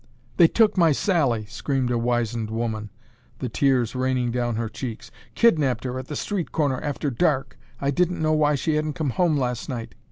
"They took my Sally," screamed a wizened woman, the tears raining down her checks. "Kidnapped her at the street corner after dark. I didn't know why she hadn't come home last night.